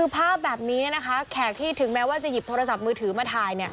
ภาพแบบนี้แขกที่ถึงแม้ว่าจะหยิบโทรศัพท์มือถือมาถ่าย